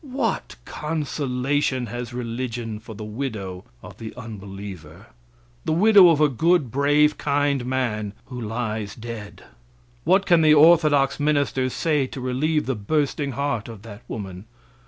What consolation has religion for the widow of the unbeliever, the widow of a good, brave, kind man who lies dead? What can the orthodox ministers say to relieve the bursting heart of that woman?